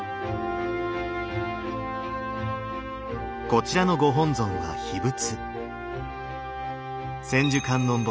こちらのご本尊は秘仏。